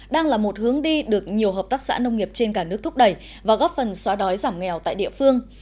đang là một hướng đi được nhiều hợp tác xã nông nghiệp trên cả nước thúc đẩy và góp phần xóa đói giảm nghèo tại địa phương